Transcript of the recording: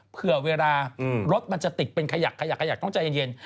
เผื่อเวลารถมันจะติดเป็นขยักขยักขยักต้องใจเย็น